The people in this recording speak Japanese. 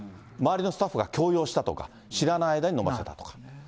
周りのスタッフが強要したとか、知らない間に飲ませたとか。